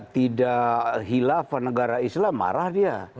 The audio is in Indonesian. tidak hilafan negara islam marah dia